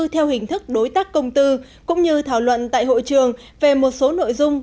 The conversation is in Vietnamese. theo hình thức đối tác công tư cũng như thảo luận tại hội trường về một số nội dung